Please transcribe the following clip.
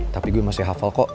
tapi gue masih hafal kok